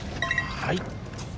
はい。